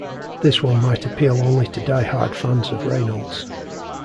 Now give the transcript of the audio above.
This one might appeal only to die hard fans of Reynolds.